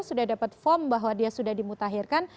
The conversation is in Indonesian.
sudah dapat form bahwa dia sudah dimutahirkan